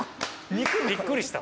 びっくりした。